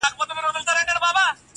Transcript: له سهاره تر ماښامه په ژړا یو٫